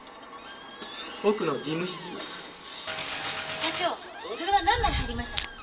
社長それは何枚入りましたか？